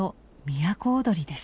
都をどりは。